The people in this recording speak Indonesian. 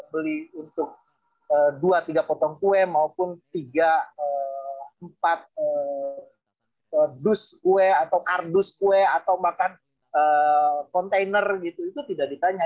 beli untuk dua tiga potong kue maupun tiga empat dus kue atau kardus kue atau makan kontainer gitu itu tidak ditanya